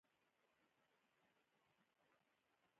ژوندي د ژوند حال خوري